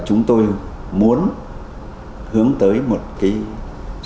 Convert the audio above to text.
và chúng tôi muốn hướng tới một cái sự phát triển của đảng và chúng tôi muốn hướng tới một cái sự phát triển của đảng